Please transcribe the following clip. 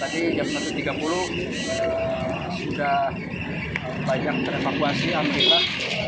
tadi jam satu tiga puluh sudah banyak terevakuasi alhamdulillah